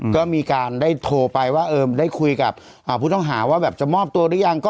ก็มีการได้โทรไปว่าได้คุยกับผู้ต้องหาว่าแบบจะมอบตัวหรือยัง